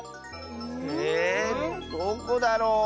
えどこだろう。